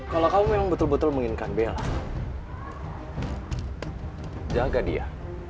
kalau kamu memang betul betul menginginkan bella jaga dia